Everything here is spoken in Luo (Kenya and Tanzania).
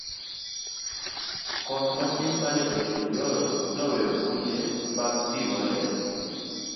koth matin mane ochwe nyoro noweyo buche mag pi molil